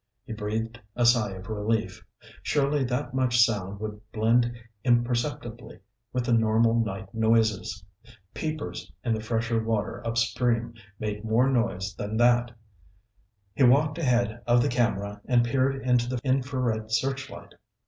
He breathed a sigh of relief. Surely that much sound would blend imperceptibly with the normal night noises. Peepers in the fresher water upstream made more noise than that. He walked ahead of the camera and peered into the infrared searchlight.